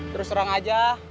terus serang aja